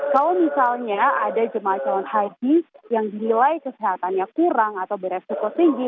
kalau misalnya ada jemaah calon haji yang dinilai kesehatannya kurang atau beresiko tinggi